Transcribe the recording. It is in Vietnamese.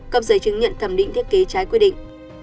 cấp giấy chứng nhận thẩm định thiết kế trái quy định